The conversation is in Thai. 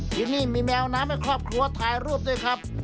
ที่นี่มีแมวน้ำให้ครอบครัวถ่ายรูปด้วยครับ